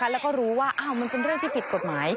แล้วก็รู้ว่ามันเป็นเรื่องที่ผิดกฎหมาย